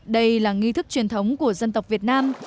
đây là nghi thức truyền thống của dân tộc việt nam